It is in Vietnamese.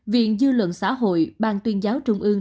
viện dư luận xã hội ban tuyên giáo trung ương